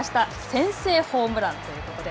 先制ホームランということで。